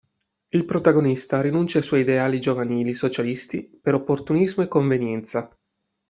Il protagonista rinuncia ai suoi ideali giovanili socialisti per opportunismo e convenienza.